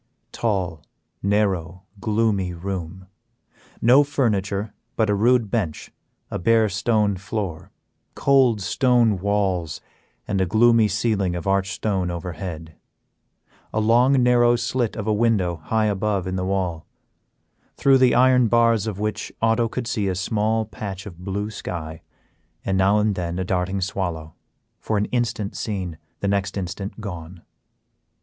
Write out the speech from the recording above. Tall, narrow, gloomy room; no furniture but a rude bench a bare stone floor, cold stone walls and a gloomy ceiling of arched stone over head; a long, narrow slit of a window high above in the wall, through the iron bars of which Otto could see a small patch of blue sky and now and then a darting swallow, for an instant seen, the next instant gone.